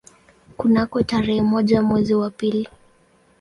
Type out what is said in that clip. Kunako tarehe moja mwezi wa pili